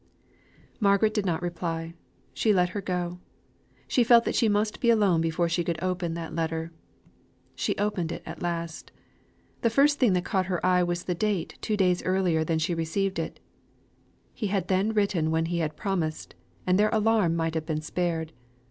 Margaret did not reply; she let her go; she felt that she must be alone before she could open that letter. She opened it at last. The first thing that caught her eye was the date two days earlier than she received it. He had then written when he had promised, and their alarm might have been spared.